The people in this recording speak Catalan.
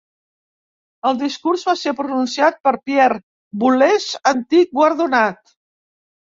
El discurs va ser pronunciat per Pierre Boulez, antic guardonat.